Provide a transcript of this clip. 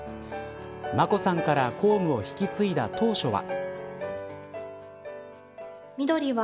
眞子さんから公務を引き継いだ当初は。